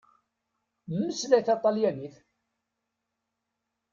Mmeslay taṭalyanit!